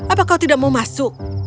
apa kau tidak mau masuk